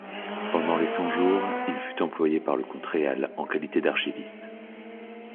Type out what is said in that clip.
Pendant les Cent-Jours, il fut employé par le comte Réal en qualité d’archiviste.